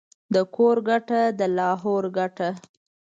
د کور گټه ، دلاهور گټه.